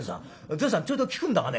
善さんちょいと聞くんだがね